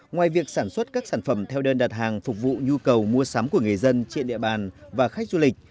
ngoài việc sản xuất các sản phẩm theo đơn đặt hàng phục vụ nhu cầu mua sắm của người dân trên địa bàn và khách du lịch